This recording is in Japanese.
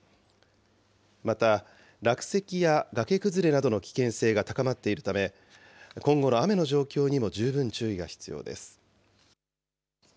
また、落石や崖崩れなどの危険性が高まっているため、今後の雨の状況にも十分注意が必要です。